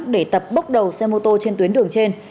để tập bốc đầu xe mô tô trên tuyến đường trên